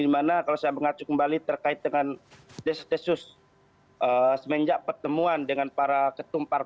dimana kalau saya mengacu kembali terkait dengan des desus semenjak pertemuan dengan para ketumpar